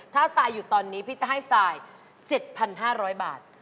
ถ้าสายหยุดตอนนี้พี่จะให้สาย๗๕๐๐บาท